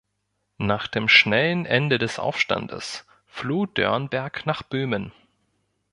Nach dem schnellen Ende des Aufstandes floh Dörnberg nach Böhmen.